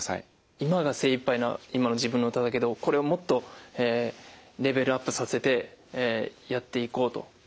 今が精いっぱいな今の自分の歌だけどこれをもっとレベルアップさせてやっていこうと思います。